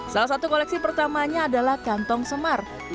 salah satu koleksi pertamanya adalah kantong semar